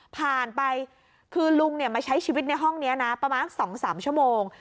ผ่านไปคือลุงมาใช้ชีวิตในห้องนี้นะประมาณ๒๓ชั่วโมง